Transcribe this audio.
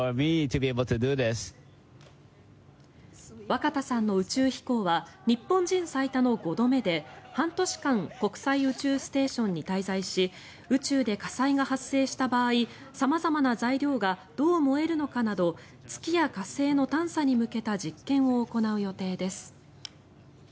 若田さんの宇宙飛行は日本人最多の５度目で半年間国際宇宙ステーションに滞在し宇宙で火災が発生した場合様々な材料がどう燃えるのかなど月や火星の探査に向けた実験を行う予定です。